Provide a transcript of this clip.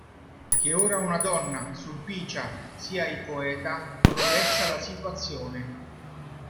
Che ora una donna, Sulpicia, sia il poeta, rovescia la situazione.